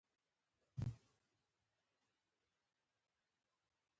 ناوې رارسېدلې نه وي.